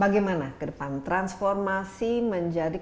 bagaimana ke depan transformasi menjadi